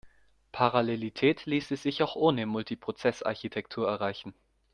Parallelität ließe sich auch ohne Multiprozess-Architektur erreichen.